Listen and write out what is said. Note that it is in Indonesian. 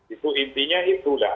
itu intinya itulah